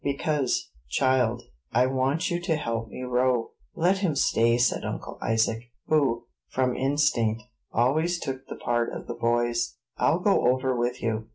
"Because, child, I want you to help me row." "Let him stay," said Uncle Isaac, who, from instinct, always took the part of the boys; "I'll go over with you."